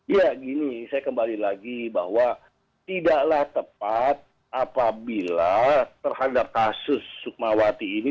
ya gini saya kembali lagi bahwa tidaklah tepat apabila terhadap kasus sukmawati ini